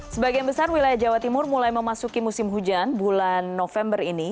sebagian besar wilayah jawa timur mulai memasuki musim hujan bulan november ini